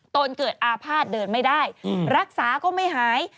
นเกิดอาภาษณ์เดินไม่ได้รักษาก็ไม่หาย